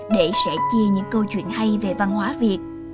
để sẽ chia những câu chuyện hay về văn hóa việt